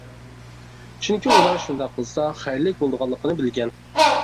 چۈنكى، ئۇلار شۇنداق قىلسا خەيرلىك بولىدىغانلىقىنى بىلگەن.